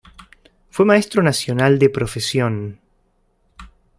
Fue maestro nacional de profesión.